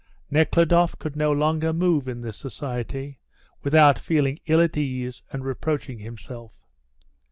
Nekhludoff could no longer move in this society without feeling ill at ease and reproaching himself.